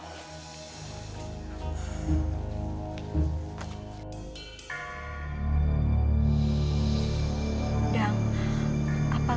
aku tak punya a interview